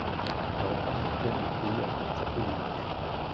La Réforme qui gagne le pays affecte peu Limoges.